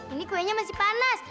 ini kuenya masih panas